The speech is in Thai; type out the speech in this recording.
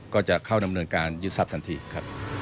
ก็จะเข้าดำเนินการยึดทรัพย์ทันทีครับ